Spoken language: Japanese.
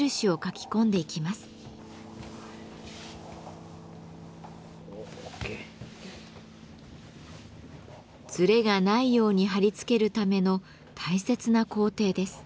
ずれがないように貼り付けるための大切な工程です。